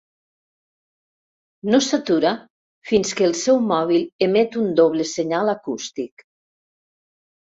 No s'atura fins que el seu mòbil emet un doble senyal acústic.